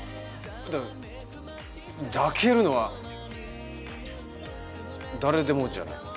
だ抱けるのは誰でもじゃない。